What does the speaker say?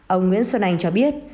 ông nguyễn xuân anh cho biết